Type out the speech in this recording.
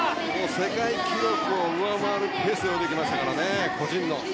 世界記録を上回るペースで泳ぎましたからね、個人の。